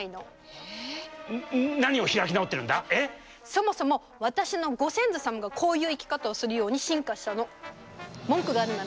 そもそも私のご先祖様がこういう生き方をするように進化したの。